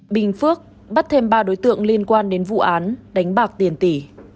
bình phước bắt thêm ba đối tượng liên quan đến vụ án đánh bạc tiền tỷ